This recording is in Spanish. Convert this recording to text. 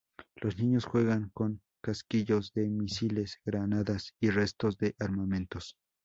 Los niños juegan con casquillos de misiles, granadas y restos de armamentos.